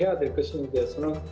pertama kali arrive sana